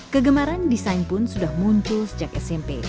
kegemaran desain pun sudah muncul sejak smp